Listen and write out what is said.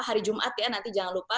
hari jumat ya nanti jangan lupa